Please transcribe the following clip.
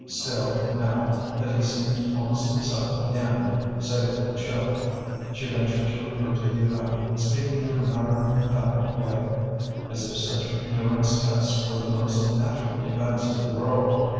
Still, now that he seemed almost himself again, save for the chill, she ventured to refer to the event, speaking in a matter of fact way, as if such endurance tests were the most natural events in the world.